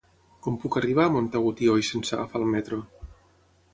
Com puc arribar a Montagut i Oix sense agafar el metro?